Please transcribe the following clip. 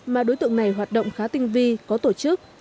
mà đối tượng này hoạt động khá tinh vi có tổ chức